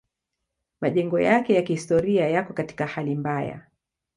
Majengo yake ya kihistoria yako katika hali mbaya.